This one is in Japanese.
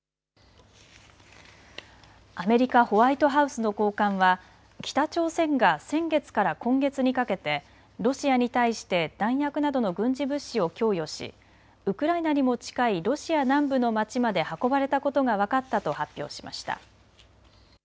アメリカ・ホワイトハウスの高官は北朝鮮が先月から今月にかけてロシアに対して弾薬などの軍事物資を供与しウクライナにも近いロシア南部の町まで運ばれたことが分かったと発表しました。